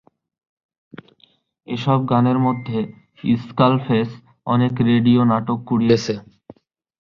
এসব গানের মধ্যে 'স্কালফেস' অনেক রেডিও নাটক কুড়িয়েছে।